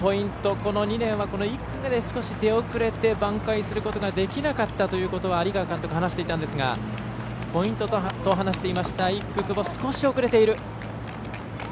この２年は、１区で少し出遅れて挽回することができなかったということを監督が話していましたがポイントと話していた１区、久保少し遅れている。